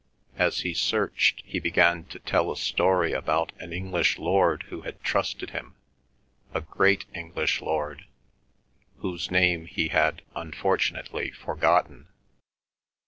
As he searched, he began to tell a story about an English lord who had trusted him—a great English lord, whose name he had, unfortunately, forgotten.